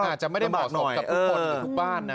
อาจจะไม่ได้เหมาะสมกับทุกคนในทุกบ้านนะ